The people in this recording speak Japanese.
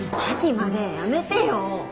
亜紀までやめてよ。